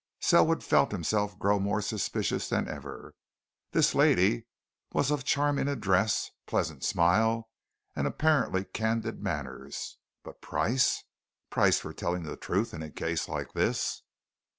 Selwood felt himself grow more suspicious than ever. This lady was of charming address, pleasant smile, and apparently candid manners, but price! price for telling the truth in a case like this!